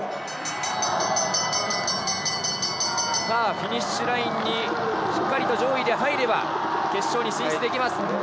さあ、フィニッシュラインにしっかりと上位で入れば決勝に進出できます。